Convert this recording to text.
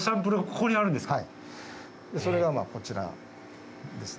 それがまあこちらですね。